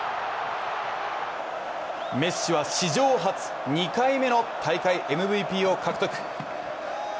メッシは史上初、２回目の大会ＭＶＰを獲得。